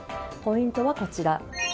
ポイントはこちら。